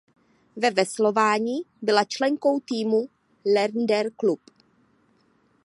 Ve veslování byla členkou týmu Leander Club.